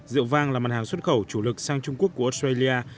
rượu vang là mặt hàng xuất khẩu chủ lực sang trung quốc của australia